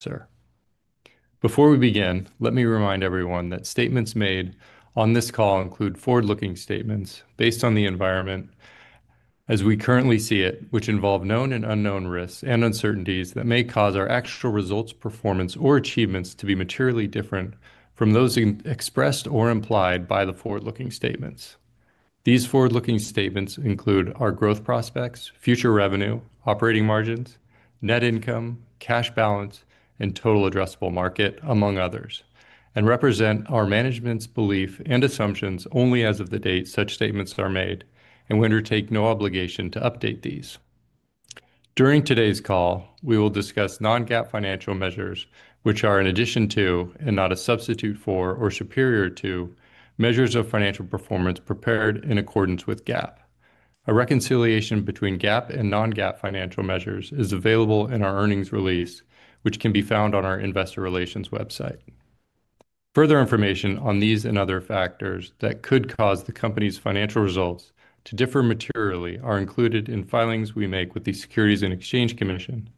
Sir. Before we begin, let me remind everyone that statements made on this call include forward-looking statements based on the environment as we currently see it, which involve known and unknown risks and uncertainties that may cause our actual results, performance, or achievements to be materially different from those expressed or implied by the forward-looking statements. These forward-looking statements include our growth prospects, future revenue, operating margins, net income, cash balance, and total addressable market, among others, and represent our management's belief and assumptions only as of the date such statements are made, and we undertake no obligation to update these. During today's call, we will discuss non-GAAP financial measures, which are an addition to, and not a substitute for, or superior to, measures of financial performance prepared in accordance with GAAP. A reconciliation between GAAP and non-GAAP financial measures is available in our earnings release, which can be found on our Investor Relations website. Further information on these and other factors that could cause the company's financial results to differ materially are included in filings we make with the Securities and Exchange Commission,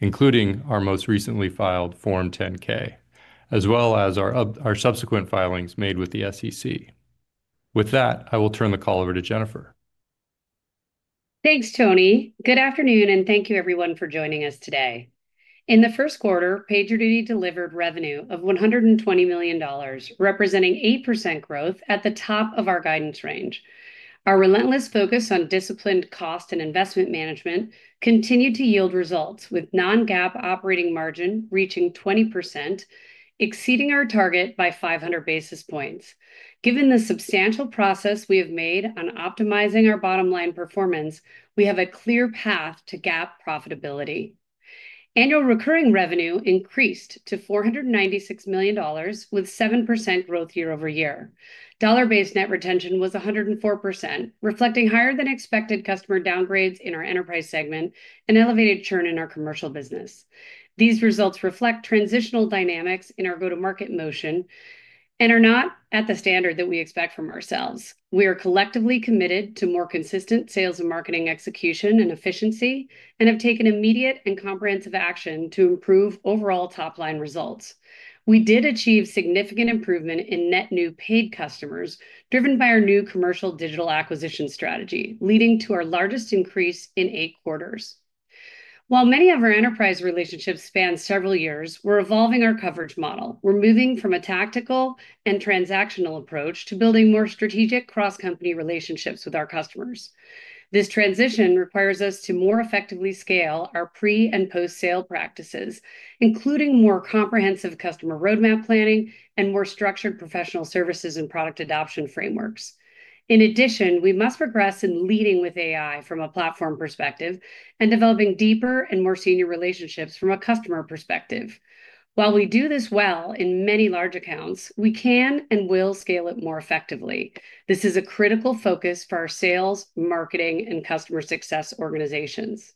including our most recently filed Form 10-K, as well as our subsequent filings made with the SEC. With that, I will turn the call over to Jennifer. Thanks, Tony. Good afternoon, and thank you, everyone, for joining us today. In the first quarter, PagerDuty delivered revenue of $120 million, representing 8% growth at the top of our guidance range. Our relentless focus on disciplined cost and investment management continued to yield results, with non-GAAP operating margin reaching 20%, exceeding our target by 500 basis points. Given the substantial progress we have made on optimizing our bottom-line performance, we have a clear path to GAAP profitability. Annual recurring revenue increased to $496 million, with 7% growth year-over-year. Dollar-based net retention was 104%, reflecting higher-than-expected customer downgrades in our enterprise segment and elevated churn in our commercial business. These results reflect transitional dynamics in our go-to-market motion and are not at the standard that we expect from ourselves. We are collectively committed to more consistent sales and marketing execution and efficiency and have taken immediate and comprehensive action to improve overall top-line results. We did achieve significant improvement in net new paid customers driven by our new commercial digital acquisition strategy, leading to our largest increase in eight quarters. While many of our enterprise relationships span several years, we're evolving our coverage model. We're moving from a tactical and transactional approach to building more strategic cross-company relationships with our customers. This transition requires us to more effectively scale our pre- and post-sale practices, including more comprehensive customer roadmap planning and more structured professional services and product adoption frameworks. In addition, we must progress in leading with AI from a platform perspective and developing deeper and more senior relationships from a customer perspective. While we do this well in many large accounts, we can and will scale it more effectively. This is a critical focus for our sales, marketing, and customer success organizations.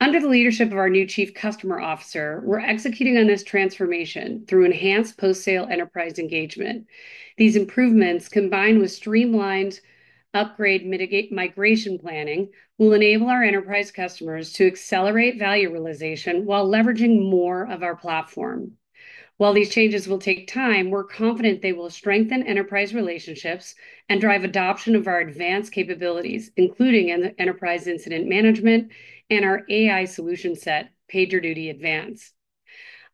Under the leadership of our new Chief Customer Officer, we're executing on this transformation through enhanced post-sale enterprise engagement. These improvements, combined with streamlined upgrade migration planning, will enable our enterprise customers to accelerate value realization while leveraging more of our platform. While these changes will take time, we're confident they will strengthen enterprise relationships and drive adoption of our advanced capabilities, including Enterprise Incident Management and our AI solution set, PagerDuty Advance.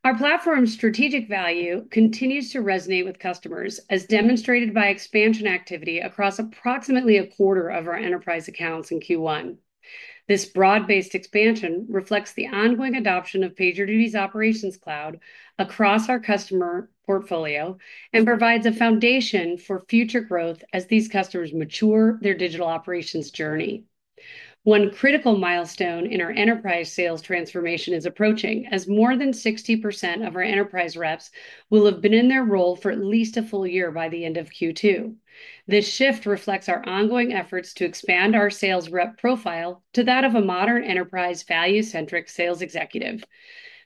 Our platform's strategic value continues to resonate with customers, as demonstrated by expansion activity across approximately a quarter of our enterprise accounts in Q1. This broad-based expansion reflects the ongoing adoption of PagerDuty's Operations Cloud across our customer portfolio and provides a foundation for future growth as these customers mature their digital operations journey. One critical milestone in our enterprise sales transformation is approaching, as more than 60% of our enterprise reps will have been in their role for at least a full year by the end of Q2. This shift reflects our ongoing efforts to expand our sales rep profile to that of a modern enterprise value-centric sales executive.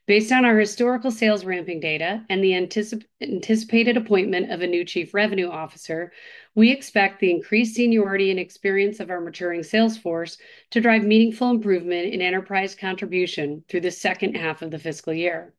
Based on our historical sales ramping data and the anticipated appointment of a new Chief Revenue Officer, we expect the increased seniority and experience of our maturing salesforce to drive meaningful improvement in enterprise contribution through the second half of the fiscal year.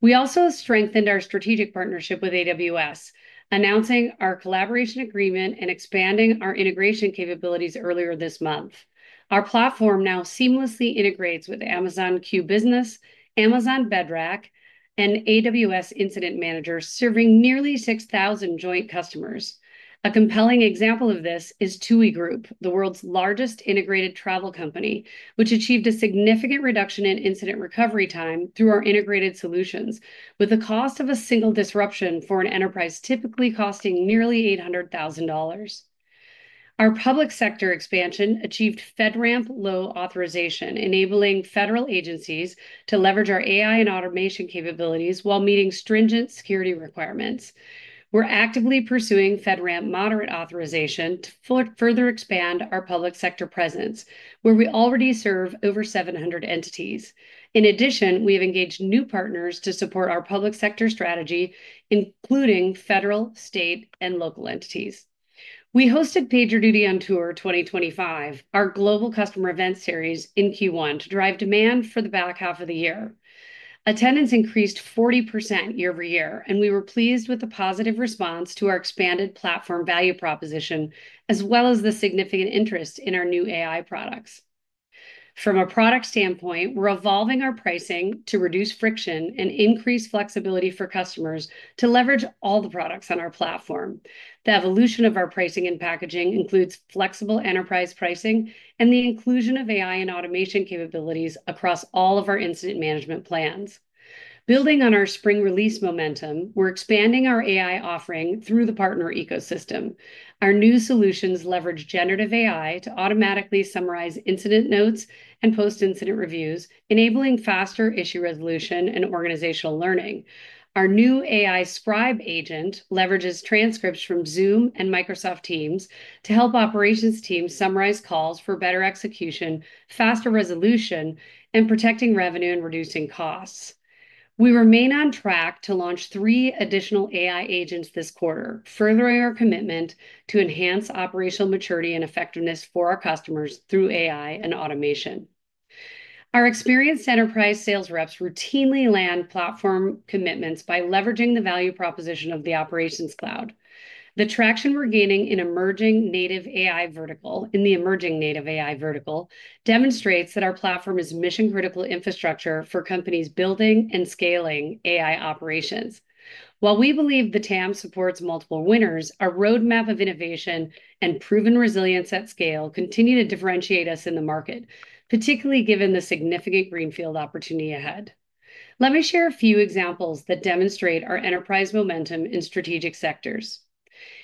We also have strengthened our strategic partnership with AWS, announcing our collaboration agreement and expanding our integration capabilities earlier this month. Our platform now seamlessly integrates with Amazon Q Business, Amazon Bedrock, and AWS Incident Manager, serving nearly 6,000 joint customers. A compelling example of this is TUI Group, the world's largest integrated travel company, which achieved a significant reduction in incident recovery time through our integrated solutions, with the cost of a single disruption for an enterprise typically costing nearly $800,000. Our public sector expansion achieved FedRAMP low authorization, enabling federal agencies to leverage our AI and automation capabilities while meeting stringent security requirements. We're actively pursuing FedRAMP moderate authorization to further expand our public sector presence, where we already serve over 700 entities. In addition, we have engaged new partners to support our public sector strategy, including federal, state, and local entities. We hosted PagerDuty on Tour 2025, our global customer event series, in Q1 to drive demand for the back half of the year. Attendance increased 40% year-over-year, and we were pleased with the positive response to our expanded platform value proposition, as well as the significant interest in our new AI products. From a product standpoint, we're evolving our pricing to reduce friction and increase flexibility for customers to leverage all the products on our platform. The evolution of our pricing and packaging includes flexible enterprise pricing and the inclusion of AI and automation capabilities across all of our incident management plans. Building on our spring release momentum, we're expanding our AI offering through the partner ecosystem. Our new solutions leverage generative AI to automatically summarize incident notes and post-incident reviews, enabling faster issue resolution and organizational learning. Our new AI scribe agent leverages transcripts from Zoom and Microsoft Teams to help operations teams summarize calls for better execution, faster resolution, and protecting revenue and reducing costs. We remain on track to launch three additional AI agents this quarter, furthering our commitment to enhance operational maturity and effectiveness for our customers through AI and automation. Our experienced enterprise sales reps routinely land platform commitments by leveraging the value proposition of the Operations Cloud. The traction we're gaining in the emerging native AI vertical demonstrates that our platform is mission-critical infrastructure for companies building and scaling AI operations. While we believe the TAM supports multiple winners, our roadmap of innovation and proven resilience at scale continue to differentiate us in the market, particularly given the significant greenfield opportunity ahead. Let me share a few examples that demonstrate our enterprise momentum in strategic sectors.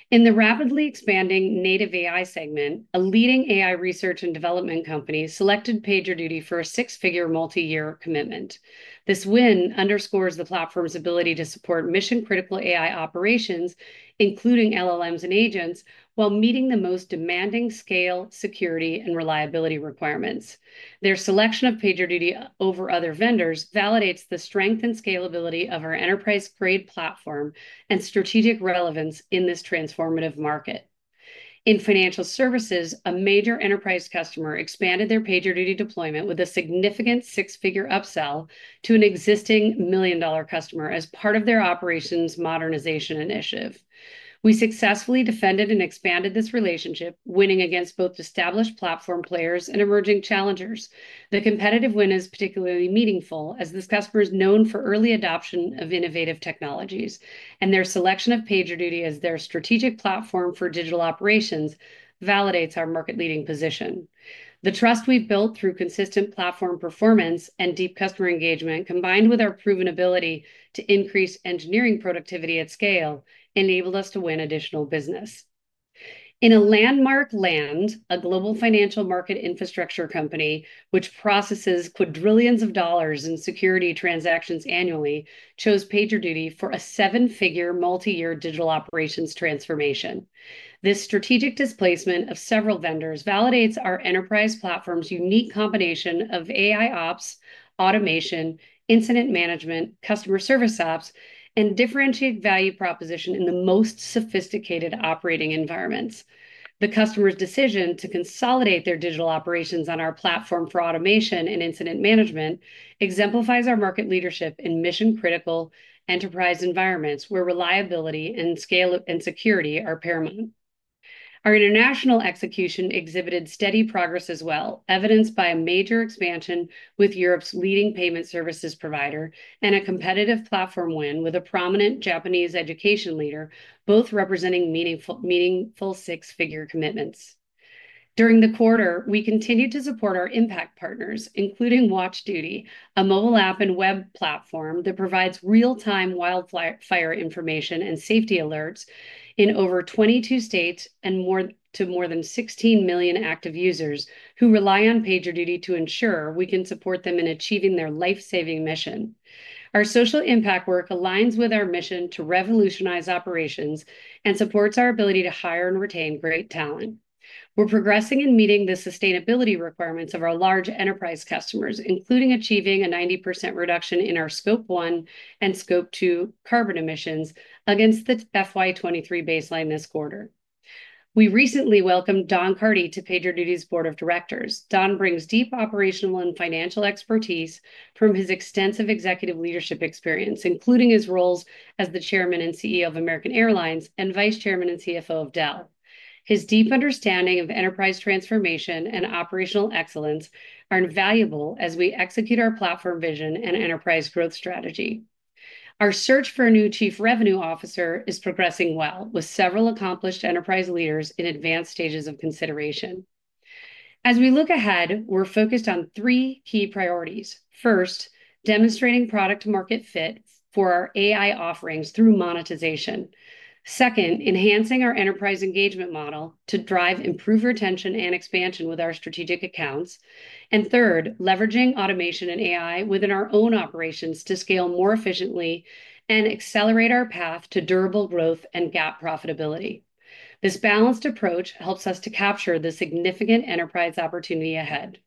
In the rapidly expanding native AI segment, a leading AI research and development company selected PagerDuty for a six-figure multi-year commitment. This win underscores the platform's ability to support mission-critical AI operations, including LLMs and agents, while meeting the most demanding scale, security, and reliability requirements. Their selection of PagerDuty over other vendors validates the strength and scalability of our enterprise-grade platform and strategic relevance in this transformative market. In financial services, a major enterprise customer expanded their PagerDuty deployment with a significant six-figure upsell to an existing million-dollar customer as part of their operations modernization initiative. We successfully defended and expanded this relationship, winning against both established platform players and emerging challengers. The competitive win is particularly meaningful as this customer is known for early adoption of innovative technologies, and their selection of PagerDuty as their strategic platform for digital operations validates our market-leading position. The trust we've built through consistent platform performance and deep customer engagement, combined with our proven ability to increase engineering productivity at scale, enabled us to win additional business. In a landmark land, a global financial market infrastructure company, which processes quadrillions of dollars in security transactions annually, chose PagerDuty for a seven-figure multi-year digital operations transformation. This strategic displacement of several vendors validates our enterprise platform's unique combination of AI Ops, automation, incident management, customer service ops, and differentiated value proposition in the most sophisticated operating environments. The customer's decision to consolidate their digital operations on our platform for automation and incident management exemplifies our market leadership in mission-critical enterprise environments, where reliability and security are paramount. Our international execution exhibited steady progress as well, evidenced by a major expansion with Europe's leading payment services provider and a competitive platform win with a prominent Japanese education leader, both representing meaningful six-figure commitments. During the quarter, we continued to support our impact partners, including WatchDuty, a mobile app and web platform that provides real-time wildfire information and safety alerts in over 22 states and to more than 16 million active users who rely on PagerDuty to ensure we can support them in achieving their life-saving mission. Our social impact work aligns with our mission to revolutionize operations and supports our ability to hire and retain great talent. We're progressing in meeting the sustainability requirements of our large enterprise customers, including achieving a 90% reduction in our Scope 1 and Scope 2 carbon emissions against the FY23 baseline this quarter. We recently welcomed Don Carty to PagerDuty's board of directors. Don brings deep operational and financial expertise from his extensive executive leadership experience, including his roles as the chairman and CEO of American Airlines and vice chairman and CFO of Dell. His deep understanding of enterprise transformation and operational excellence are invaluable as we execute our platform vision and enterprise growth strategy. Our search for a new Chief Revenue Officer is progressing well, with several accomplished enterprise leaders in advanced stages of consideration. As we look ahead, we're focused on three key priorities. First, demonstrating product-to-market fit for our AI offerings through monetization. Second, enhancing our enterprise engagement model to drive improved retention and expansion with our strategic accounts. Third, leveraging automation and AI within our own operations to scale more efficiently and accelerate our path to durable growth and GAAP profitability. This balanced approach helps us to capture the significant enterprise opportunity ahead.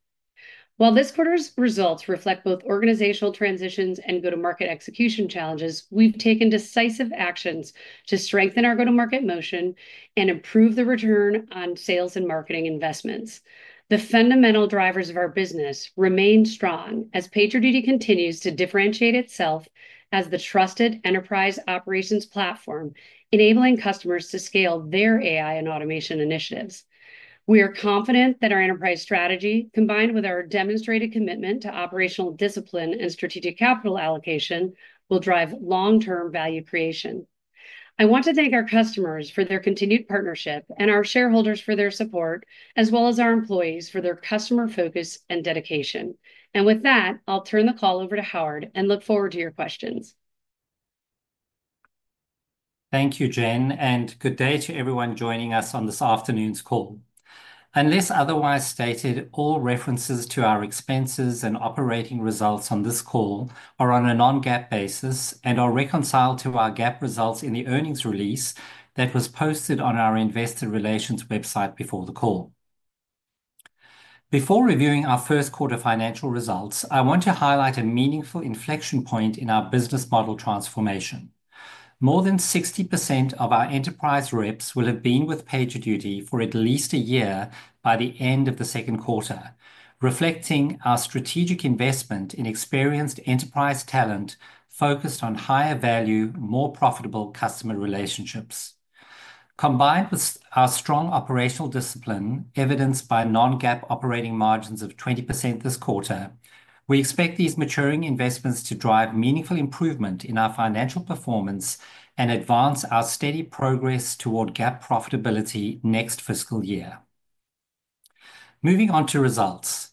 While this quarter's results reflect both organizational transitions and go-to-market execution challenges, we have taken decisive actions to strengthen our go-to-market motion and improve the return on sales and marketing investments. The fundamental drivers of our business remain strong as PagerDuty continues to differentiate itself as the trusted enterprise operations platform, enabling customers to scale their AI and automation initiatives. We are confident that our enterprise strategy, combined with our demonstrated commitment to operational discipline and strategic capital allocation, will drive long-term value creation. I want to thank our customers for their continued partnership and our shareholders for their support, as well as our employees for their customer focus and dedication. I will turn the call over to Howard and look forward to your questions. Thank you, Jen, and good day to everyone joining us on this afternoon's call. Unless otherwise stated, all references to our expenses and operating results on this call are on a non-GAAP basis and are reconciled to our GAAP results in the earnings release that was posted on our investor relations website before the call. Before reviewing our first quarter financial results, I want to highlight a meaningful inflection point in our business model transformation. More than 60% of our enterprise reps will have been with PagerDuty for at least a year by the end of the second quarter, reflecting our strategic investment in experienced enterprise talent focused on higher value, more profitable customer relationships. Combined with our strong operational discipline, evidenced by non-GAAP operating margins of 20% this quarter, we expect these maturing investments to drive meaningful improvement in our financial performance and advance our steady progress toward GAAP profitability next fiscal year. Moving on to results,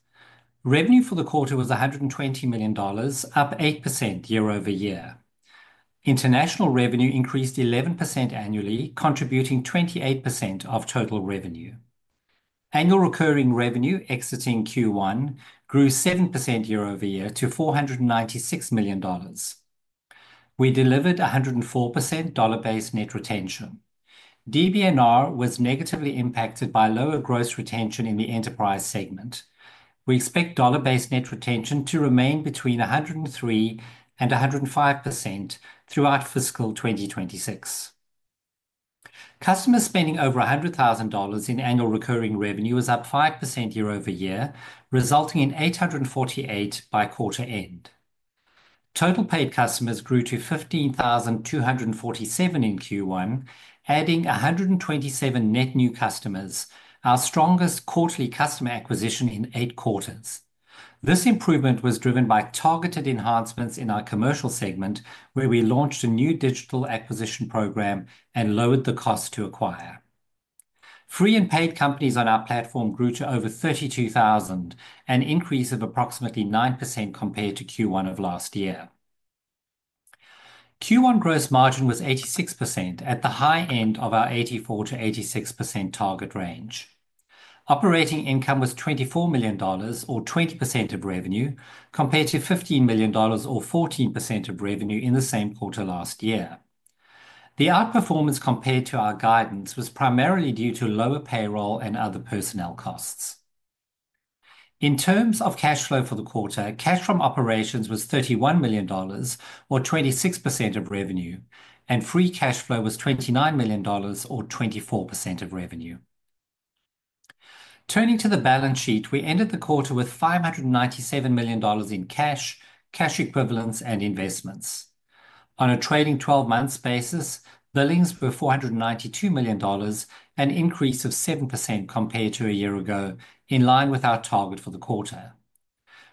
revenue for the quarter was $120 million, up 8% year-over-year. International revenue increased 11% annually, contributing 28% of total revenue. Annual recurring revenue exiting Q1 grew 7% year-over-year to $496 million. We delivered 104% dollar-based net retention. DBNR was negatively impacted by lower gross retention in the enterprise segment. We expect dollar-based net retention to remain between 103% and 105% throughout fiscal 2026. Customers spending over $100,000 in annual recurring revenue is up 5% year-over-year, resulting in 848 by quarter end. Total paid customers grew to 15,247 in Q1, adding 127 net new customers, our strongest quarterly customer acquisition in eight quarters. This improvement was driven by targeted enhancements in our commercial segment, where we launched a new digital acquisition program and lowered the cost to acquire. Free and paid companies on our platform grew to over 32,000, an increase of approximately 9% compared to Q1 of last year. Q1 gross margin was 86% at the high end of our 84%-86% target range. Operating income was $24 million, or 20% of revenue, compared to $15 million, or 14% of revenue in the same quarter last year. The outperformance compared to our guidance was primarily due to lower payroll and other personnel costs. In terms of cash flow for the quarter, cash from operations was $31 million, or 26% of revenue, and free cash flow was $29 million, or 24% of revenue. Turning to the balance sheet, we ended the quarter with $597 million in cash, cash equivalents, and investments. On a trailing 12-month basis, billings were $492 million, an increase of 7% compared to a year ago, in line with our target for the quarter.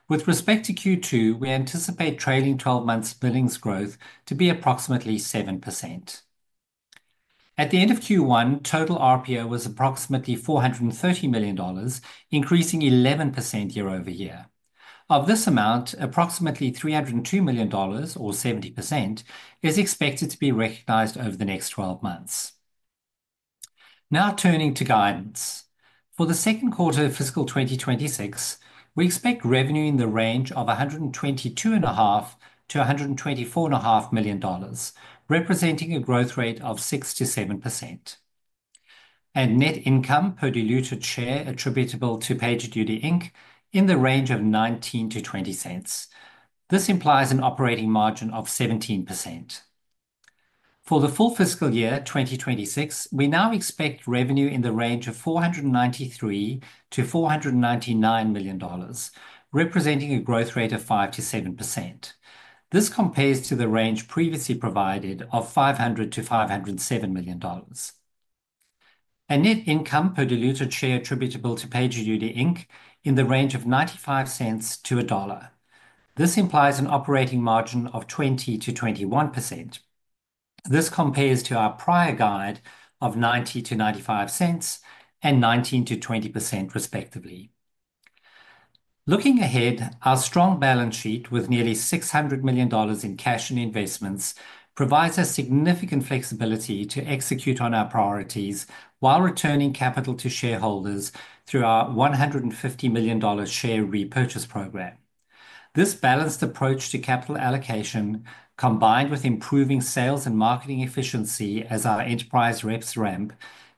With respect to Q2, we anticipate trailing 12-month billings growth to be approximately 7%. At the end of Q1, total RPO was approximately $430 million, increasing 11% year-over-year. Of this amount, approximately $302 million, or 70%, is expected to be recognized over the next 12 months. Now turning to guidance. For the second quarter of fiscal 2026, we expect revenue in the range of $122.5 million-$124.5 million, representing a growth rate of 6%-7%. Net income per diluted share attributable to PagerDuty in the range of $0.19-$0.20. This implies an operating margin of 17%. For the full fiscal year 2026, we now expect revenue in the range of $493 million-$499 million, representing a growth rate of 5%-7%. This compares to the range previously provided of $500 million-$507 million. Net income per diluted share attributable to PagerDuty in the range of $0.95-$1.00. This implies an operating margin of 20%-21%. This compares to our prior guide of $0.90-$0.95 and 19%-20%, respectively. Looking ahead, our strong balance sheet with nearly $600 million in cash and investments provides us significant flexibility to execute on our priorities while returning capital to shareholders through our $150 million share repurchase program. This balanced approach to capital allocation, combined with improving sales and marketing efficiency as our enterprise reps ramp,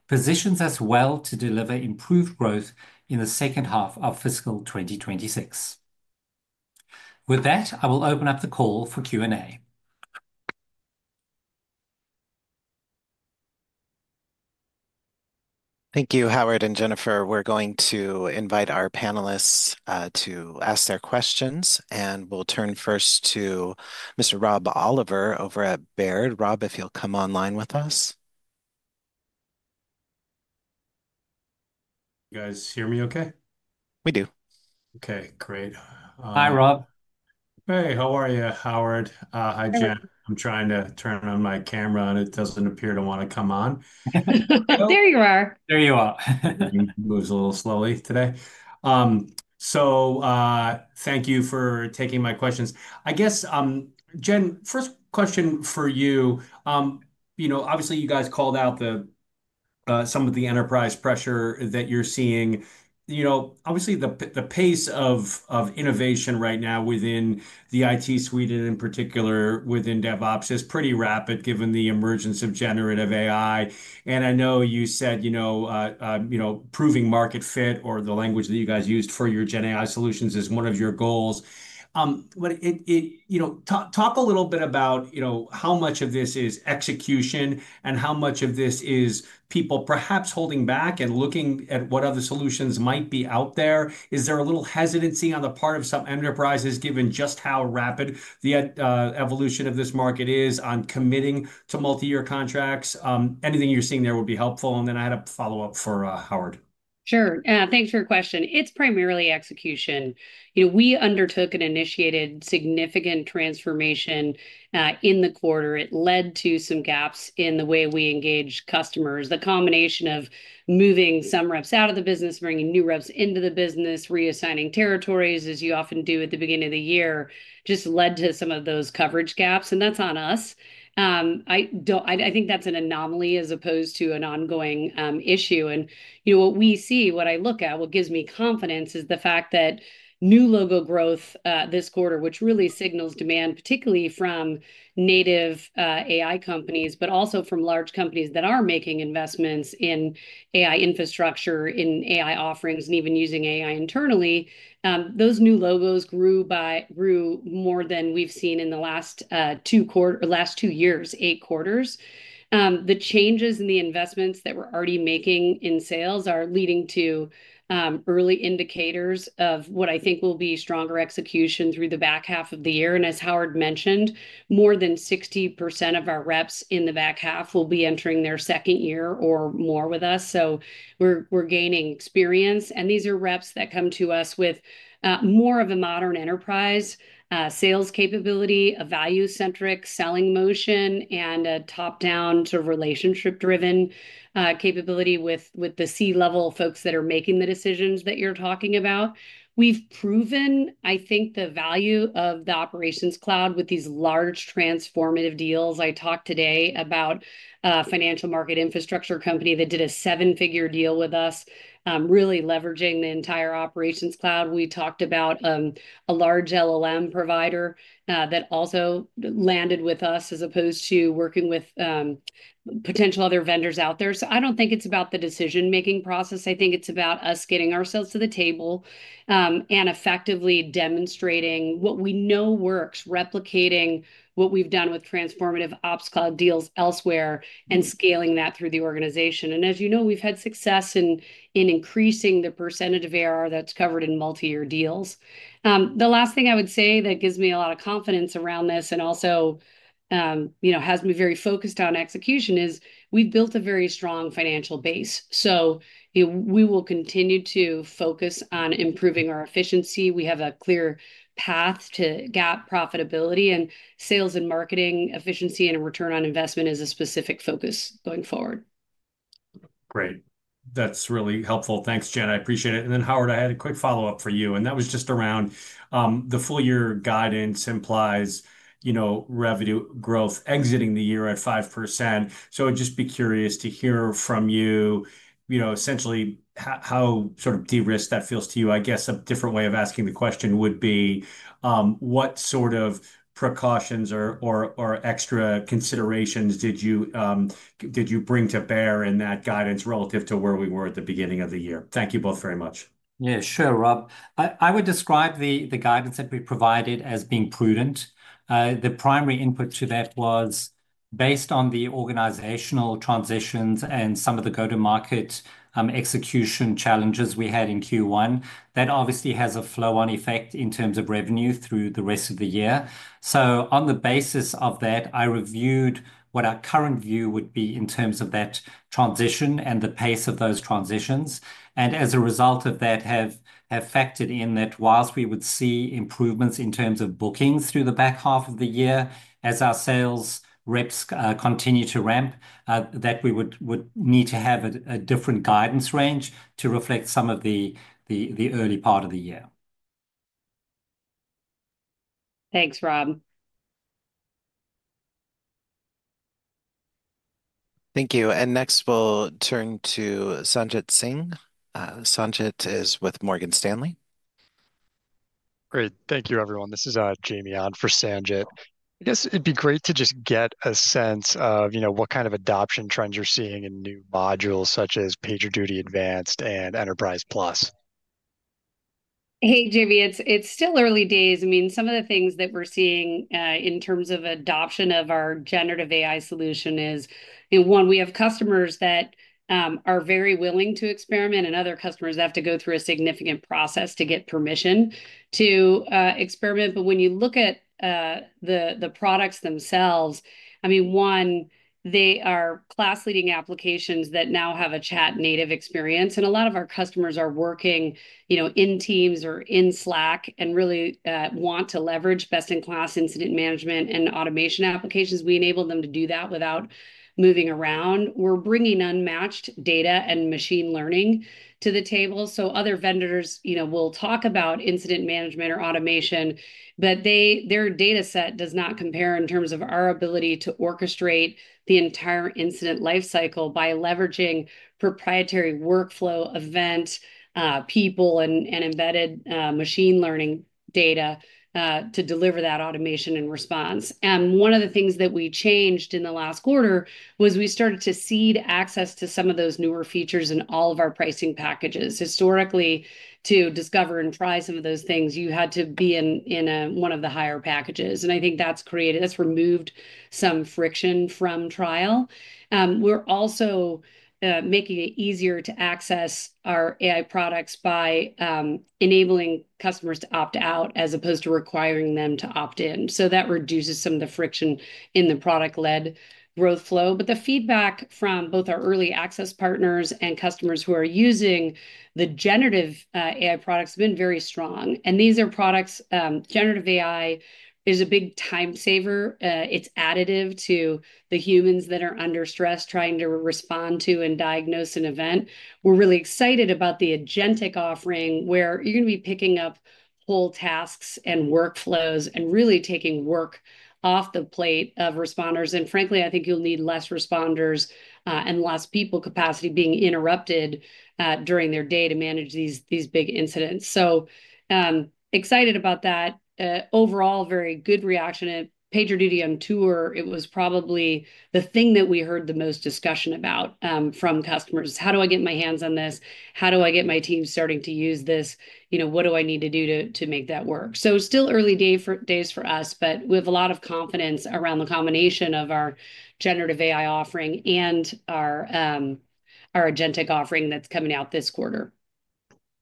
positions us well to deliver improved growth in the second half of fiscal 2026. With that, I will open up the call for Q&A. Thank you, Howard and Jennifer. We're going to invite our panelists to ask their questions, and we'll turn first to Mr. Rob Oliver over at Baird. Rob, if you'll come online with us. You guys hear me okay? We do. Okay, great. Hi, Rob. Hey, how are you, Howard? Hi, Jen. I'm trying to turn on my camera, and it doesn't appear to want to come on. There you are. There you are. It moves a little slowly today. Thank you for taking my questions. I guess, Jen, first question for you. Obviously, you guys called out some of the enterprise pressure that you're seeing. Obviously, the pace of innovation right now within the IT suite, and in particular within DevOps, is pretty rapid given the emergence of generative AI. I know you said proving market fit, or the language that you guys used for your GenAI solutions, is one of your goals. Talk a little bit about how much of this is execution and how much of this is people perhaps holding back and looking at what other solutions might be out there. Is there a little hesitancy on the part of some enterprises, given just how rapid the evolution of this market is on committing to multi-year contracts? Anything you're seeing there would be helpful. I had a follow-up for Howard. Sure. Thanks for your question. It's primarily execution. We undertook and initiated significant transformation in the quarter. It led to some gaps in the way we engage customers. The combination of moving some reps-out of the business, bringing new reps into the business, reassigning territories, as you often do at the beginning of the year, just led to some of those coverage gaps. That's on us. I think that's an anomaly as opposed to an ongoing issue. What we see, what I look at, what gives me confidence, is the fact that new logo growth this quarter, which really signals demand, particularly from native AI companies, but also from large companies that are making investments in AI infrastructure, in AI offerings, and even using AI internally, those new logos grew more than we've seen in the last two years, eight quarters. The changes in the investments that we're already making in sales are leading to early indicators of what I think will be stronger execution through the back half of the year. As Howard mentioned, more than 60% of our reps in the back half will be entering their second year or more with us. We are gaining experience. These are reps that come to us with more of a modern enterprise sales capability, a value-centric selling motion, and a top-down sort of relationship-driven capability with the C-level folks that are making the decisions that you're talking about. We've proven, I think, the value of the Operations Cloud with these large transformative deals. I talked today about a financial market infrastructure company that did a seven-figure deal with us, really leveraging the entire Operations Cloud. We talked about a large LLM provider that also landed with us as opposed to working with potential other vendors out there. I do not think it's about the decision-making process. I think it's about us getting ourselves to the table and effectively demonstrating what we know works, replicating what we've done with transformative Ops Cloud deals elsewhere, and scaling that through the organization. As you know, we've had success in increasing the percentage of ARR that's covered in multi-year deals. The last thing I would say that gives me a lot of confidence around this and also has me very focused on execution is we've built a very strong financial base. We will continue to focus on improving our efficiency. We have a clear path to GAAP profitability, and sales and marketing efficiency and return on investment is a specific focus going forward. Great. That's really helpful. Thanks, Jen. I appreciate it. Howard, I had a quick follow-up for you. That was just around the full-year guidance implies revenue growth exiting the year at 5%. I'd just be curious to hear from you, essentially, how sort of de-risked that feels to you. I guess a different way of asking the question would be, what sort of precautions or extra considerations did you bring to bear in that guidance relative to where we were at the beginning of the year? Thank you both very much. Yeah, sure, Rob. I would describe the guidance that we provided as being prudent. The primary input to that was based on the organizational transitions and some of the go-to-market execution challenges we had in Q1. That obviously has a flow-on effect in terms of revenue through the rest of the year. On the basis of that, I reviewed what our current view would be in terms of that transition and the pace of those transitions. As a result of that, have factored in that whilst we would see improvements in terms of bookings through the back half of the year, as our sales reps continue to ramp, that we would need to have a different guidance range to reflect some of the early part of the year. Thanks, Rob. Thank you. Next, we'll turn to Sanjit Singh. Sanjit is with Morgan Stanley. Great. Thank you, everyone. This is Jamie on for Sanjit. I guess it'd be great to just get a sense of what kind of adoption trends you're seeing in new modules such as PagerDuty Advanced and Enterprise Plus. Hey, Jamie, it's still early days. I mean, some of the things that we're seeing in terms of adoption of our generative AI solution is, one, we have customers that are very willing to experiment, and other customers have to go through a significant process to get permission to experiment. When you look at the products themselves, I mean, one, they are class-leading applications that now have a chat-native experience. A lot of our customers are working in Teams or in Slack and really want to leverage best-in-class incident management and automation applications. We enable them to do that without moving around. We're bringing unmatched data and machine learning to the table. Other vendors will talk about incident management or automation, but their data set does not compare in terms of our ability to orchestrate the entire incident lifecycle by leveraging proprietary workflow events, people, and embedded machine learning data to deliver that automation and response. One of the things that we changed in the last quarter was we started to seed access to some of those newer features in all of our pricing packages. Historically, to discover and try some of those things, you had to be in one of the higher packages. I think that has removed some friction from trial. We're also making it easier to access our AI products by enabling customers to opt-out as opposed to requiring them to opt-in. That reduces some of the friction in the product-led growth flow. The feedback from both our early access partners and customers who are using the generative AI products has been very strong. These are products generative AI is a big time saver. It is additive to the humans that are under stress trying to respond to and diagnose an event. We are really excited about the agentic offering where you are going to be picking up whole tasks and workflows and really taking work off the plate of responders. Frankly, I think you will need fewer responders and less people capacity being interrupted during their day to manage these big incidents. Excited about that. Overall, very good reaction. At PagerDuty on tour, it was probably the thing that we heard the most discussion about from customers. How do I get my hands on this? How do I get my team starting to use this? What do I need to do to make that work? Still early days for us, but we have a lot of confidence around the combination of our generative AI offering and our agentic offering that's coming out this quarter.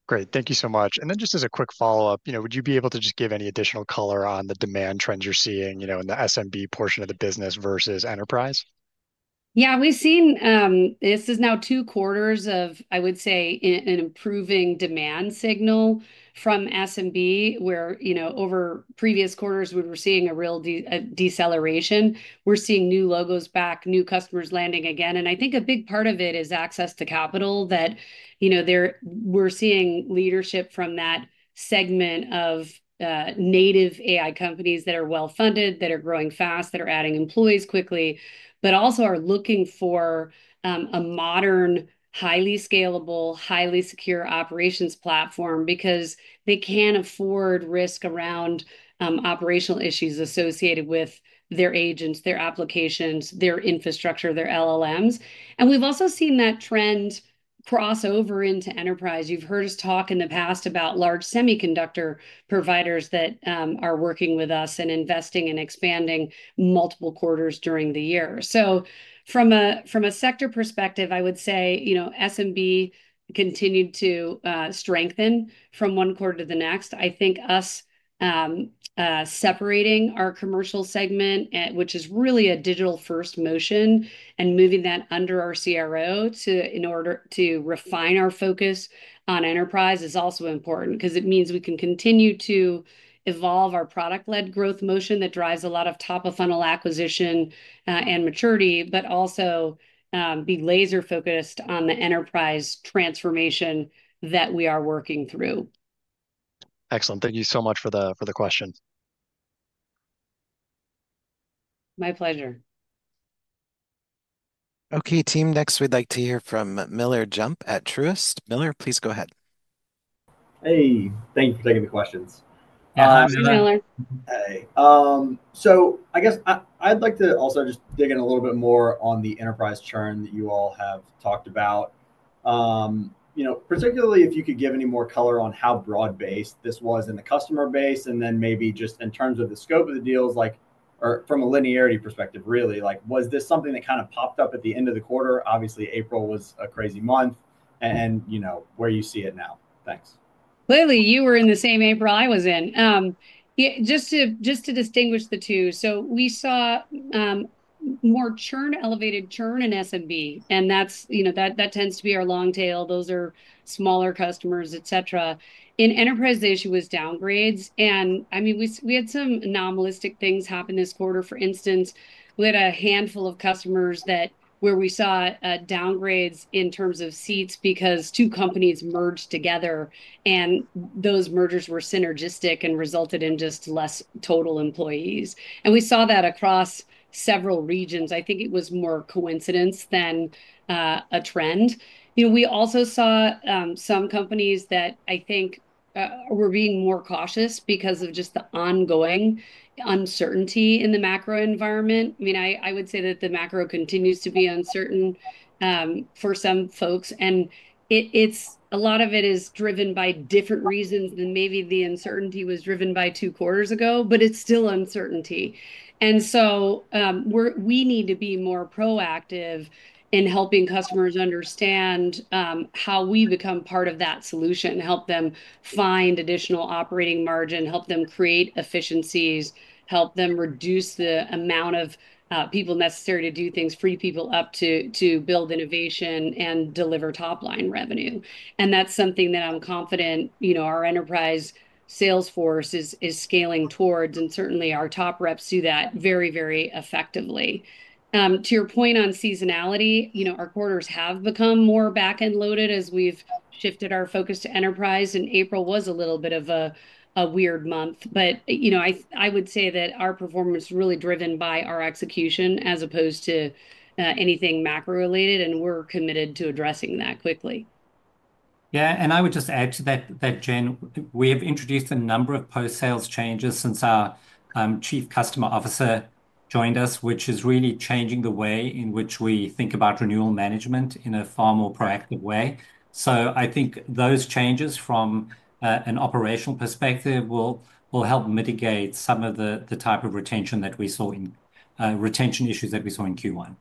Great. Thank you so much. Just as a quick follow-up, would you be able to just give any additional color on the demand trends you're seeing in the SMB portion of the business versus enterprise? Yeah, we've seen this is now two quarters of, I would say, an improving demand signal from SMB where over previous quarters, we were seeing a real deceleration. We're seeing new logos back, new customers landing again. I think a big part of it is access to capital that we're seeing leadership from that segment of native AI companies that are well-funded, that are growing fast, that are adding employees quickly, but also are looking for a modern, highly scalable, highly secure operations platform because they can afford risk around operational issues associated with their agents, their applications, their infrastructure, their LLMs. We've also seen that trend cross over into enterprise. You've heard us talk in the past about large semiconductor providers that are working with us and investing and expanding multiple quarters during the year. From a sector perspective, I would say SMB continued to strengthen from one quarter to the next. I think us separating our commercial segment, which is really a digital-first motion, and moving that under our CRO in order to refine our focus on enterprise is also important because it means we can continue to evolve our product-led growth motion that drives a lot of top-of-funnel acquisition and maturity, but also be laser-focused on the enterprise transformation that we are working through. Excellent. Thank you so much for the question. My pleasure. Okay, team, next we would like to hear from Miller Jump at Truist. Miller, please go ahead. Hey, thank you for taking the questions. Hi, Miller. Hey. I guess I would like to also just dig in a little bit more on the enterprise churn that you all have talked about. Particularly if you could give any more color on how broad-based this was in the customer base and then maybe just in terms of the scope of the deals from a linearity perspective, really. Was this something that kind of popped up at the end of the quarter? Obviously, April was a crazy month. Where do you see it now? Thanks. Clearly, you were in the same April I was in. Just to distinguish the two, we saw more churn, elevated churn in SMB, and that tends to be our long tail. Those are smaller customers, etc. In enterprise, the issue was downgrades. I mean, we had some nominalistic things happen this quarter. For instance, we had a handful of customers where we saw downgrades in terms of seats because two companies merged together, and those mergers were synergistic and resulted in just less total employees. We saw that across several regions. I think it was more coincidence than a trend. We also saw some companies that I think were being more cautious because of just the ongoing uncertainty in the macro environment. I mean, I would say that the macro continues to be uncertain for some folks. A lot of it is driven by different reasons than maybe the uncertainty was driven by two quarters ago, but it is still uncertainty. We need to be more proactive in helping customers understand how we become part of that solution, help them find additional operating margin, help them create efficiencies, help them reduce the amount of people necessary to do things, free people up to build innovation and deliver top-line revenue. That is something that I am confident our enterprise sales force is scaling towards, and certainly our top reps do that very, very effectively. To your point on seasonality, our quarters have become more back-end loaded as we've shifted our focus to enterprise, and April was a little bit of a weird month. I would say that our performance is really driven by our execution as opposed to anything macro-related, and we're committed to addressing that quickly. Yeah. I would just add to that, Jen, we have introduced a number of post-sales changes since our Chief Customer Officer joined us, which is really changing the way in which we think about renewal management in a far more proactive way. I think those changes from an operational perspective will help mitigate some of the type of retention that we saw in retention issues that we saw in Q1.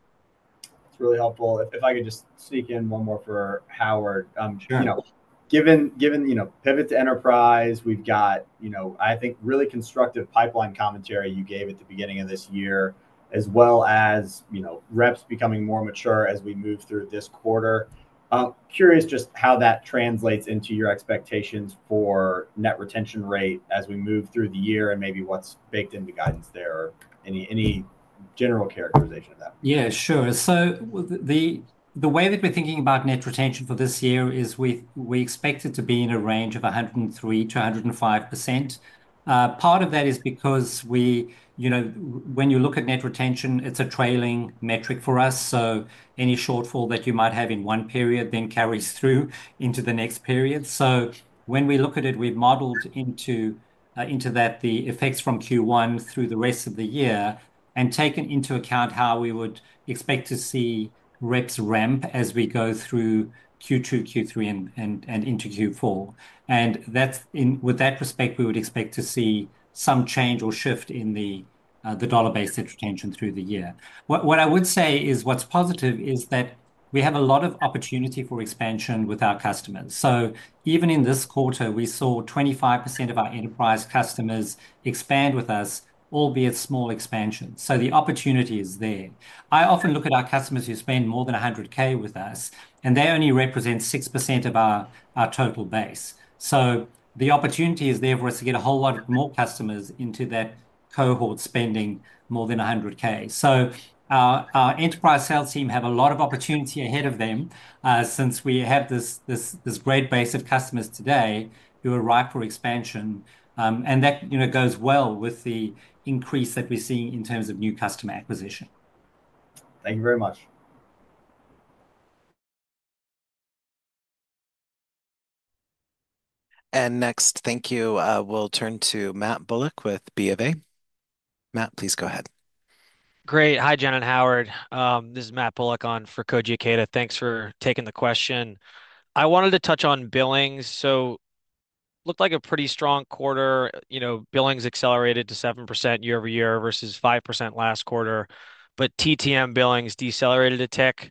That's really helpful. If I could just sneak in one more for Howard. Given pivot to enterprise, we've got, I think, really constructive pipeline commentary you gave at the beginning of this year, as well as reps becoming more mature as we move through this quarter. Curious just how that translates into your expectations for net retention rate as we move through the year and maybe what's baked into guidance there or any general characterization of that. Yeah, sure. So the way that we're thinking about net retention for this year is we expect it to be in a range of 103-105%. Part of that is because when you look at net retention, it's a trailing metric for us. So any shortfall that you might have in one period then carries through into the next period. When we look at it, we've modeled into that the effects from Q1 through the rest of the year and taken into account how we would expect to see reps ramp as we go through Q2, Q3, and into Q4. With that respect, we would expect to see some change or shift in the dollar-based retention through the year. What I would say is what's positive is that we have a lot of opportunity for expansion with our customers. Even in this quarter, we saw 25% of our enterprise customers expand with us, albeit small expansions. The opportunity is there. I often look at our customers who spend more than $100,000 with us, and they only represent 6% of our total base. The opportunity is there for us to get a whole lot more customers into that cohort spending more than $100,000. Our enterprise sales team have a lot of opportunity ahead of them since we have this great base of customers today who are ripe for expansion. That goes well with the increase that we're seeing in terms of new customer acquisition. Thank you very much. Next, thank you. We'll turn to Matt Bullock with B of A. Matt, please go ahead. Great. Hi, Jen and Howard. This is Matt Bullock on for Cogi Acada. Thanks for taking the question. I wanted to touch on billings. Looked like a pretty strong quarter. Billings accelerated to 7% year-over-year versus 5% last quarter. TTM billings decelerated to tech.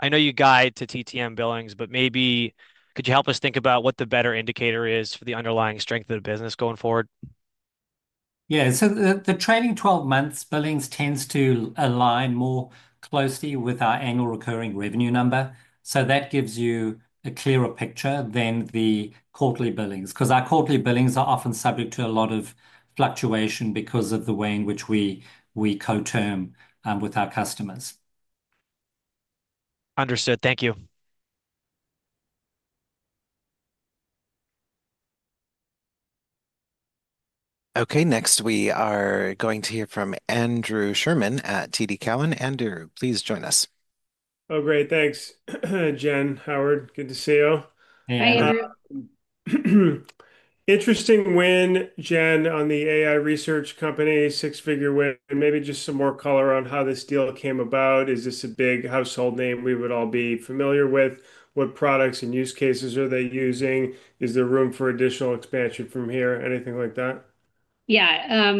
I know you guide to TTM billings, but maybe could you help us think about what the better indicator is for the underlying strength of the business going forward? Yeah. The trailing 12-months billings tends to align more closely with our annual recurring revenue number. That gives you a clearer picture than the quarterly billings because our quarterly billings are often subject to a lot of fluctuation because of the way in which we co-term with our customers. Understood. Thank you. Okay. Next, we are going to hear from Andrew Sherman at TD Cowen. Andrew, please join us. Oh, great. Thanks, Jen. Howard, good to see you. Hi, Andrew. Interesting win, Jen, on the AI research company, six-figure win. Maybe just some more color on how this deal came about. Is this a big household name we would all be familiar with? What products and use cases are they using? Is there room for additional expansion from here? Anything like that? Yeah.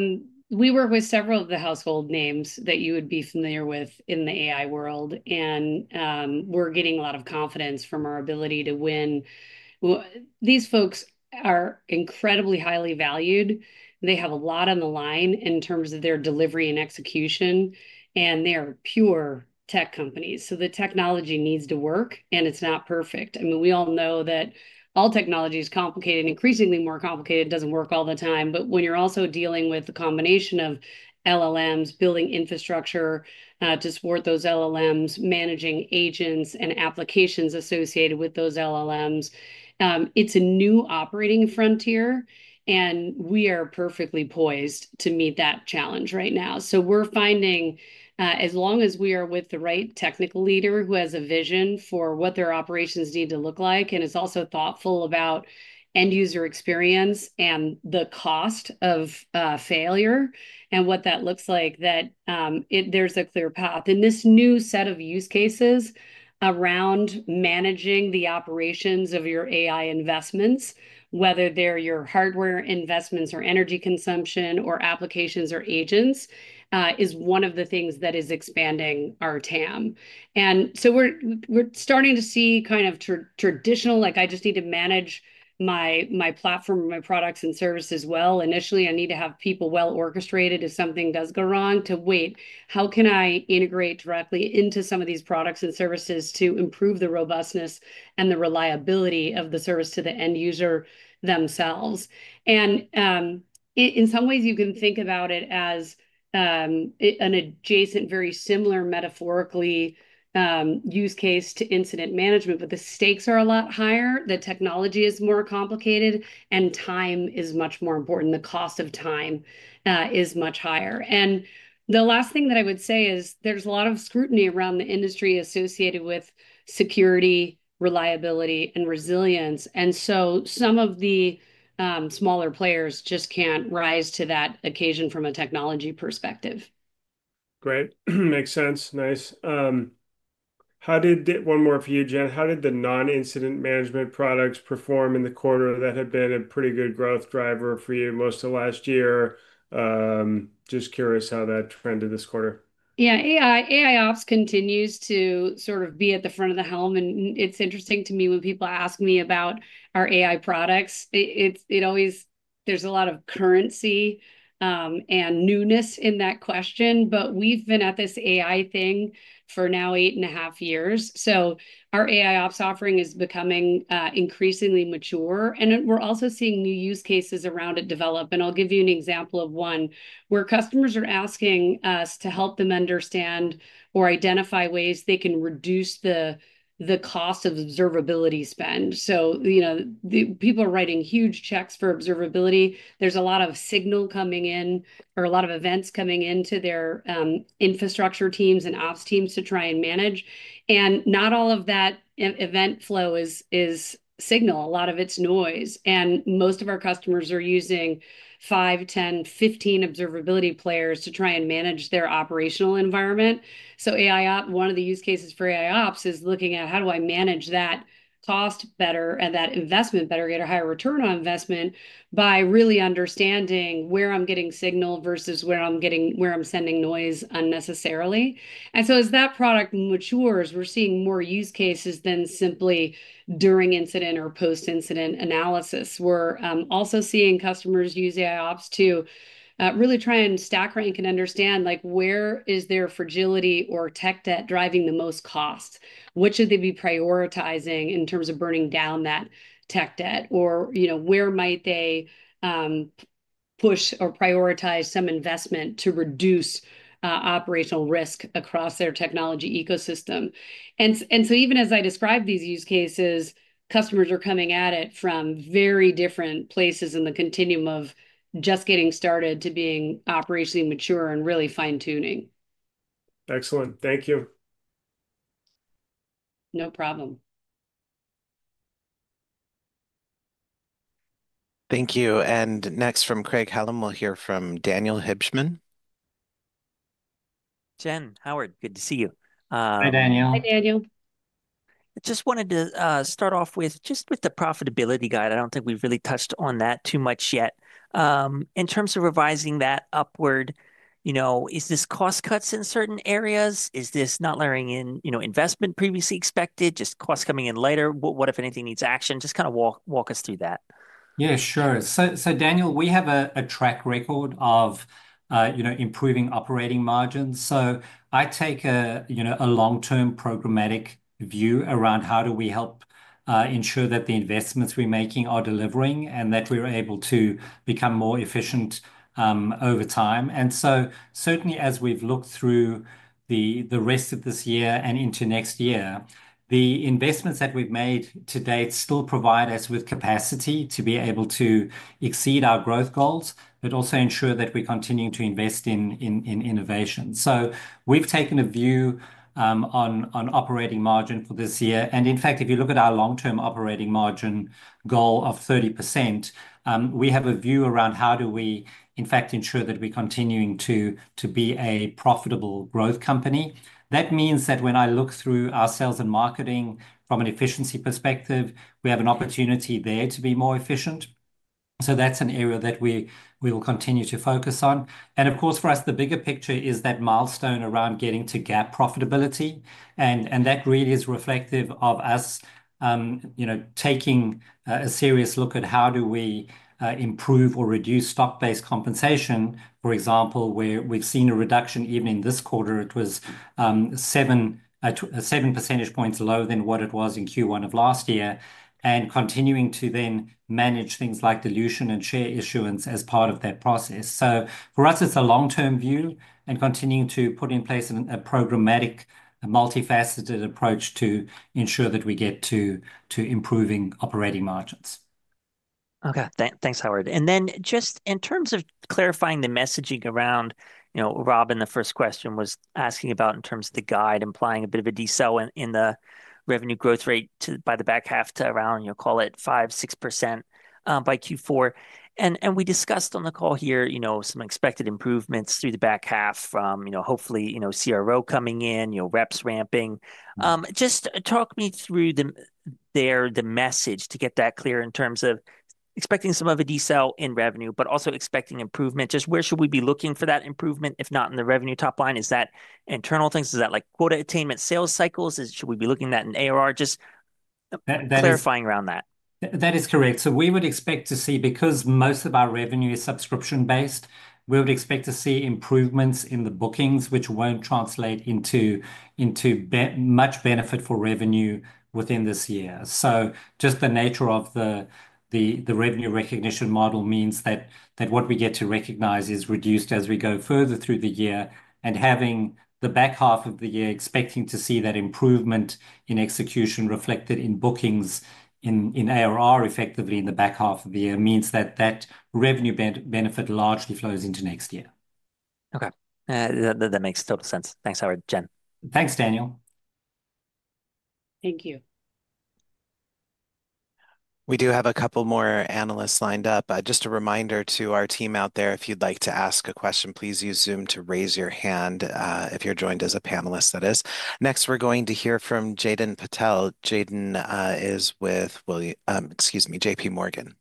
We work with several of the household names that you would be familiar with in the AI world. We're getting a lot of confidence from our ability to win. These folks are incredibly highly valued. They have a lot on the line in terms of their delivery and execution. They are pure tech companies. The technology needs to work, and it's not perfect. I mean, we all know that all technology is complicated, increasingly more complicated. It doesn't work all the time. When you're also dealing with the combination of LLMs, building infrastructure to support those LLMs, managing agents and applications associated with those LLMs, it's a new operating frontier, and we are perfectly poised to meet that challenge right now. We're finding, as long as we are with the right technical leader who has a vision for what their operations need to look like, and is also thoughtful about end-user experience and the cost of failure and what that looks like, that there's a clear path. This new set of use cases around managing the operations of your AI investments, whether they're your hardware investments or energy consumption or applications or agents, is one of the things that is expanding our TAM. We're starting to see kind of traditional, like, "I just need to manage my platform, my products, and services well." Initially, I need to have people well-orchestrated if something does go wrong to, "Wait, how can I integrate directly into some of these products and services to improve the robustness and the reliability of the service to the end user themselves?" In some ways, you can think about it as an adjacent, very similar metaphorically use case to incident management, but the stakes are a lot higher. The technology is more complicated, and time is much more important. The cost of time is much higher. The last thing that I would say is there's a lot of scrutiny around the industry associated with security, reliability, and resilience. Some of the smaller players just can't rise to that occasion from a technology perspective. Great. Makes sense. Nice. One more for you, Jen. How did the non-incident management products perform in the quarter that had been a pretty good growth driver for you most of last year? Just curious how that trended this quarter. Yeah. AIOps continues to sort of be at the front of the helm, and it's interesting to me when people ask me about our AI products. There's a lot of currency and newness in that question, but we've been at this AI thing for now eight and a half years. So our AIOps offering is becoming increasingly mature, and we're also seeing new use cases around it develop. I'll give you an example of one where customers are asking us to help them understand or identify ways they can reduce the cost of observability spend. People are writing huge checks for observability. is a lot of signal coming in or a lot of events coming into their infrastructure teams and ops teams to try and manage. Not all of that event flow is signal. A lot of it is noise. Most of our customers are using 5, 10, 15 observability players to try and manage their operational environment. One of the use cases for AIOps is looking at, "How do I manage that cost better and that investment better, get a higher return on investment by really understanding where I am getting signal versus where I am sending noise unnecessarily?" As that product matures, we are seeing more use cases than simply during incident or post-incident analysis. We are also seeing customers use AIOps to really try and stack rank and understand where is their fragility or tech debt driving the most cost? What should they be prioritizing in terms of burning down that tech debt? Or where might they push or prioritize some investment to reduce operational risk across their technology ecosystem? Even as I describe these use cases, customers are coming at it from very different places in the continuum of just getting started to being operationally mature and really fine-tuning. Excellent. Thank you. No problem. Thank you. Next from Craig-Hallum, we'll hear from Daniel Hibschman. Jen, Howard, good to see you. Hi, Daniel. Hi, Daniel. I just wanted to start off with just with the profitability guide. I do not think we've really touched on that too much yet. In terms of revising that upward, is this cost cuts in certain areas? Is this not lowering in investment previously expected, just costs coming in later? What, if anything, needs action? Just kind of walk us through that. Yeah, sure. So Daniel, we have a track record of improving operating margins. I take a long-term programmatic view around how do we help ensure that the investments we're making are delivering and that we're able to become more efficient over time. Certainly, as we've looked through the rest of this year and into next year, the investments that we've made to date still provide us with capacity to be able to exceed our growth goals, but also ensure that we're continuing to invest in innovation. We've taken a view on operating margin for this year. In fact, if you look at our long-term operating margin goal of 30%, we have a view around how do we, in fact, ensure that we're continuing to be a profitable growth company. That means that when I look through our sales and marketing from an efficiency perspective, we have an opportunity there to be more efficient. That is an area that we will continue to focus on. Of course, for us, the bigger picture is that milestone around getting to GAAP profitability. That really is reflective of us taking a serious look at how do we improve or reduce stock-based compensation. For example, we've seen a reduction even in this quarter. It was seven percentage points lower than what it was in Q1 of last year and continuing to then manage things like dilution and share issuance as part of that process. For us, it's a long-term view and continuing to put in place a programmatic, multifaceted approach to ensure that we get to improving operating margins. Okay. Thanks, Howard. Just in terms of clarifying the messaging around, Robin, the first question was asking about in terms of the guide, implying a bit of a decel in the revenue growth rate by the back half to around, call it 5-6% by Q4. We discussed on the call here some expected improvements through the back half from hopefully CRO coming in, reps ramping. Just talk me through there the message to get that clear in terms of expecting some of a decel in revenue, but also expecting improvement. Just where should we be looking for that improvement, if not in the revenue top line? Is that internal things? Is that like quota attainment, sales cycles? Should we be looking at that in ARR? Just clarifying around that. That is correct. We would expect to see, because most of our revenue is subscription-based, we would expect to see improvements in the bookings, which will not translate into much benefit for revenue within this year. Just the nature of the revenue recognition model means that what we get to recognize is reduced as we go further through the year. Having the back half of the year expecting to see that improvement in execution reflected in bookings, in ARR effectively in the back half of the year, means that that revenue benefit largely flows into next year. Okay. That makes total sense. Thanks, Howard. Jen. Thanks, Daniel. Thank you. We do have a couple more analysts lined up. Just a reminder to our team out there, if you would like to ask a question, please use Zoom to raise your hand if you are joined as a panelist, that is. Next, we're going to hear from Jaden Patel. Jaden is with, excuse me, J.P. Morgan.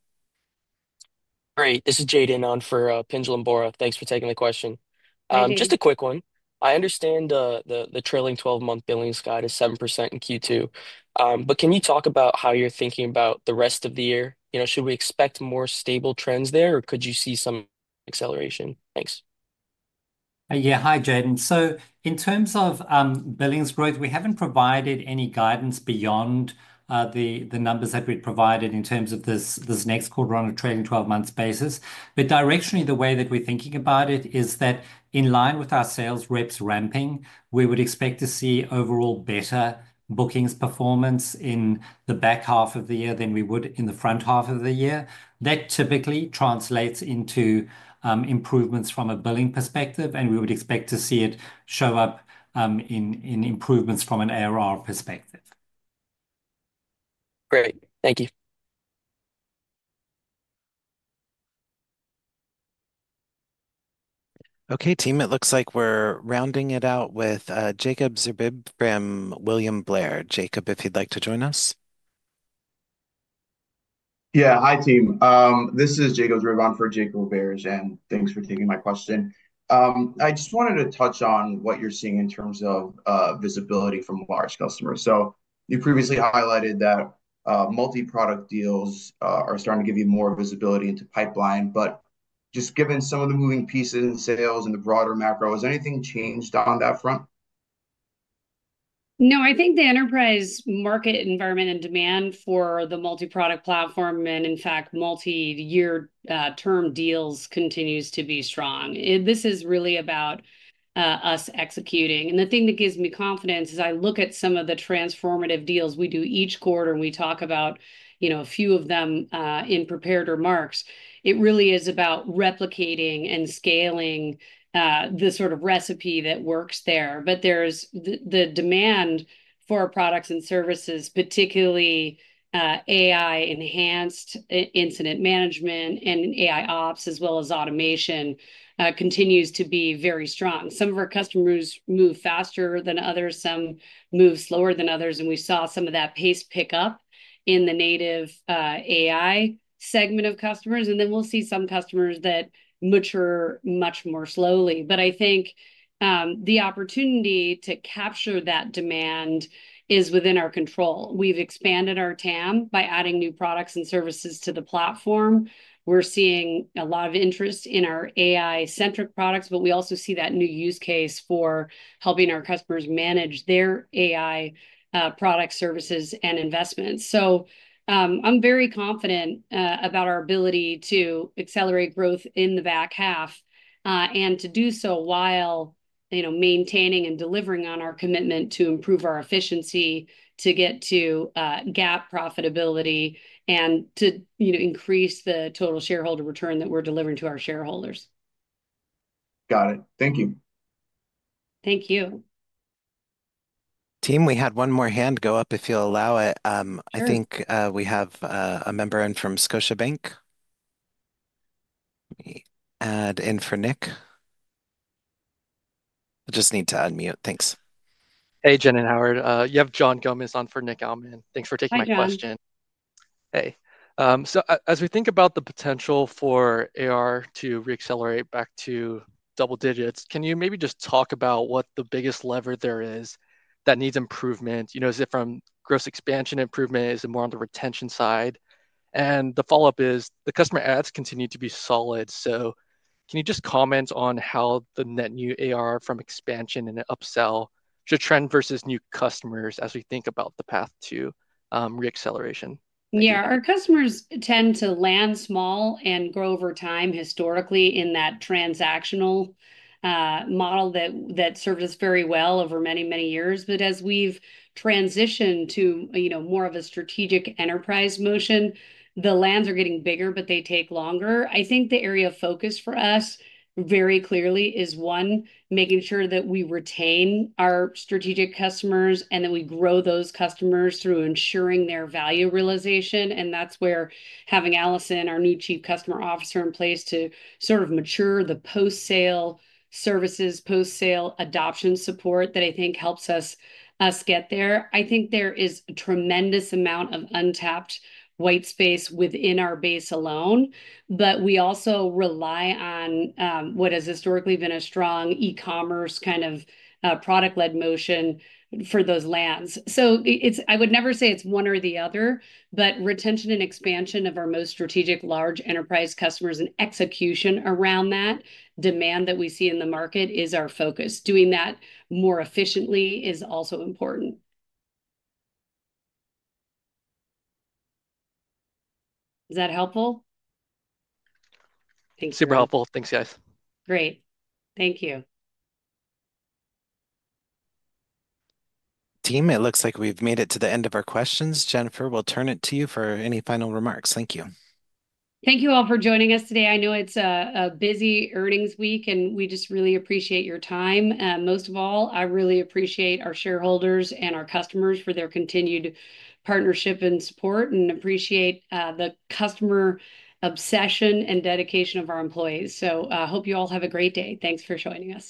Great. This is Jaden on for Pendulum Bora. Thanks for taking the question. Just a quick one. I understand the trailing 12-month billings guide is 7% in Q2. Can you talk about how you're thinking about the rest of the year? Should we expect more stable trends there, or could you see some acceleration? Thanks. Yeah. Hi, Jaden. In terms of billings growth, we haven't provided any guidance beyond the numbers that we've provided in terms of this next quarter on a trailing 12-month basis. Directionally, the way that we're thinking about it is that in line with our sales reps ramping, we would expect to see overall better bookings performance in the back half of the year than we would in the front half of the year. That typically translates into improvements from a billing perspective, and we would expect to see it show up in improvements from an ARR perspective. Great. Thank you. Okay, team, it looks like we're rounding it out with Jacob Zurbib from William Blair. Jacob, if you'd like to join us. Yeah. Hi, team. This is Jacob Zurbib for Jacob and Baer Jen. Thanks for taking my question. I just wanted to touch on what you're seeing in terms of visibility from large customers. You previously highlighted that multi-product deals are starting to give you more visibility into pipeline. Just given some of the moving pieces in sales and the broader macro, has anything changed on that front? No, I think the enterprise market environment and demand for the multi-product platform and, in fact, multi-year term deals continues to be strong. This is really about us executing. The thing that gives me confidence is I look at some of the transformative deals we do each quarter, and we talk about a few of them in prepared remarks. It really is about replicating and scaling the sort of recipe that works there. The demand for our products and services, particularly AI-enhanced incident management and AIOps, as well as automation, continues to be very strong. Some of our customers move faster than others. Some move slower than others. We saw some of that pace pick up in the native AI segment of customers. We will see some customers that mature much more slowly. I think the opportunity to capture that demand is within our control. We have expanded our TAM by adding new products and services to the platform. We're seeing a lot of interest in our AI-centric products, but we also see that new use case for helping our customers manage their AI products, services, and investments. So I'm very confident about our ability to accelerate growth in the back half and to do so while maintaining and delivering on our commitment to improve our efficiency, to get to GAAP profitability, and to increase the total shareholder return that we're delivering to our shareholders. Got it. Thank you. Thank you. Team, we had one more hand go up if you'll allow it. I think we have a member in from Scotiabank. Let me add in for Nick. I just need to unmute. Thanks. Hey, Jen and Howard. You have John Gomez on for Nick Alman. Thanks for taking my question. Hey. As we think about the potential for ARR to reaccelerate back to double digits, can you maybe just talk about what the biggest lever there is that needs improvement? Is it from gross expansion improvement? Is it more on the retention side? The follow-up is the customer adds continue to be solid. Can you just comment on how the net new ARR from expansion and upsell trend versus new customers as we think about the path to reacceleration? Yeah. Our customers tend to land small and grow over time historically in that transactional model that served us very well over many, many years. As we have transitioned to more of a strategic enterprise motion, the lands are getting bigger, but they take longer. I think the area of focus for us very clearly is, one, making sure that we retain our strategic customers and that we grow those customers through ensuring their value realization. And that's where having Alison, our new Chief Customer Officer, in place to sort of mature the post-sale services, post-sale adoption support that I think helps us get there. I think there is a tremendous amount of untapped white space within our base alone, but we also rely on what has historically been a strong e-commerce kind of product-led motion for those lands. So I would never say it's one or the other, but retention and expansion of our most strategic large enterprise customers and execution around that demand that we see in the market is our focus. Doing that more efficiently is also important. Is that helpful? Thank you. Super helpful. Thanks, guys. Great. Thank you. Team, it looks like we've made it to the end of our questions. Jennifer, we'll turn it to you for any final remarks. Thank you. Thank you all for joining us today. I know it's a busy earnings week, and we just really appreciate your time. Most of all, I really appreciate our shareholders and our customers for their continued partnership and support and appreciate the customer obsession and dedication of our employees. I hope you all have a great day. Thanks for joining us.